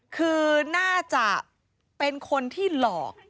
คือน่าจะเป็นคนที่หลอก